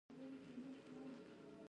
د خوسي لوبه په کلیو کې مشهوره ده.